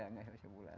nggak sampai sebulan